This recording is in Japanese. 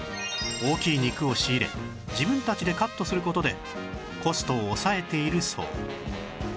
大きい肉を仕入れ自分たちでカットする事でコストを抑えているそう